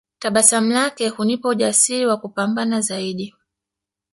Tabasamu lake hunipa ujasiri wa kupambana zaidi